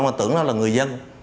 mà tưởng nó là người dân